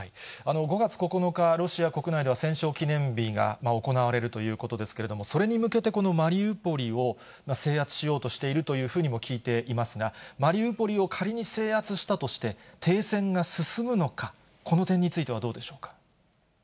５月９日、ロシア国内では戦勝記念日が行われるということですけれども、それに向けて、このマリウポリを制圧しようとしているというふうにも聞いていますが、マリウポリを仮に制圧したとして停戦が進むのか、この点についてはどうでしょうか。